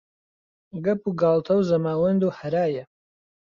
گەپ و گاڵتە و زەماوەند و هەرایە